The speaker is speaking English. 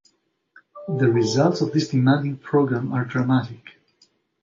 The results of this demanding program are dramatic.